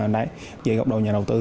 đấy vậy góc độ nhà đầu tư